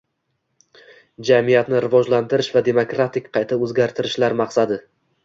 jamiyatni rivojlantirish va demokratik qayta o`zgartirishlar maqsadi